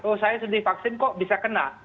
oh saya sendiri vaksin kok bisa kena